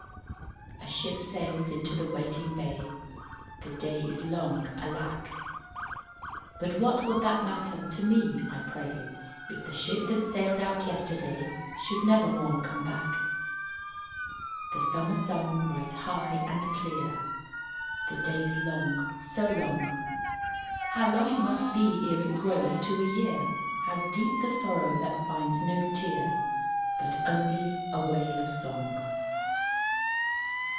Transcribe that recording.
A ship sails into the waiting bay, (The day is long, alack,) But what would that matter to me, I pray If the ship that sailed out yesterday Should never more come back. The summer sun rides high and clear, (The day is long, so long,) How long it must be ere it grows to a year How deep the sorrow that finds no tear, But only a wail of song.